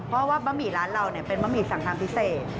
เพราะว่าบะหมี่ร้านเราเป็นบะหมี่สั่งทำพิเศษ